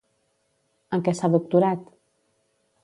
En què s'ha doctorat?